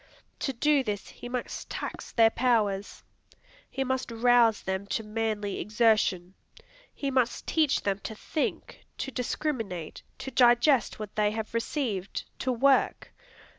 To do this, he must tax their powers. He must rouse them to manly exertion. He must teach them to think, to discriminate, to digest what they have received, to work.